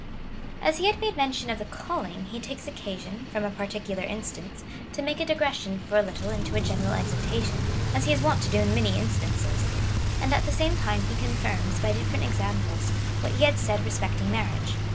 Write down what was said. As he had made mention of the calling, he takes occasion, from a particular instance, to make a digression for a little into a general exhortation, as he is wont to do in many instances ; and, at the same time, he confirms, by different examples, what he had said re specting marriage.